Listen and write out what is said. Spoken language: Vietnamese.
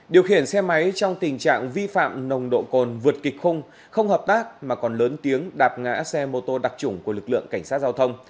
điều khiển xe máy trong tình trạng vi phạm nồng độ cồn vượt kịch khung không hợp tác mà còn lớn tiếng đạp ngã xe mô tô đặc trủng của lực lượng cảnh sát giao thông